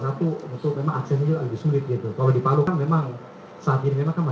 satu untuk memang akan lebih sulit gitu kalau dipalukan memang